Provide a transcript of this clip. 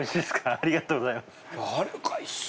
ありがとうございます。